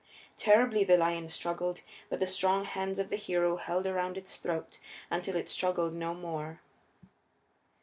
Terribly the lion struggled; but the strong hands of the hero held around its throat until it struggled no more.